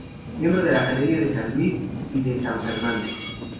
Miembro de Ia Academia de San Luis y de San Fernando.